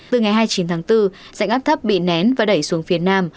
từ ngày hai mươi chín tháng bốn dạnh áp thấp bị nén và đẩy xuống phía nam